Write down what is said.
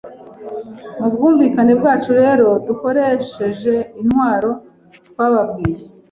Mu bwumvikane bwacu rero dukoresheje intwaro twababwiye,